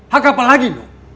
hak apa lagi noh